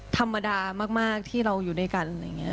ธรรมดามากที่เราอยู่ด้วยกัน